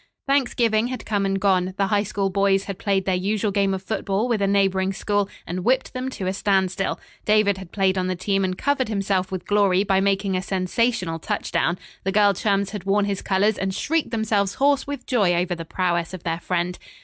Thanksgiving had come and gone. The High School boys had played their usual game of football with a neighboring school and whipped them to a standstill, David had played on the team and covered himself with glory by making a sensational touchdown. The girl chums had worn his colors and shrieked themselves hoarse with joy over the prowess of their friend.